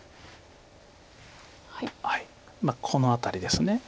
この辺りです。